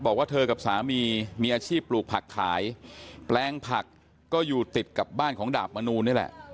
บอกว่าเธอกับสามีมีอาชีพปลูกผักขายแปลงผักก็อยู่ติดกับบ้านของดาบมนูนนี่แหละ